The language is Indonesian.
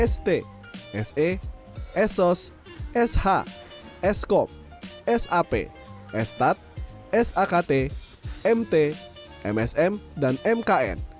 st se esos sh eskop sap estat sakt mt msm dan mkn